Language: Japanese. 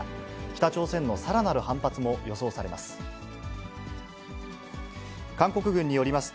北朝鮮のさらなる反発も予想されます。